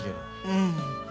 うん。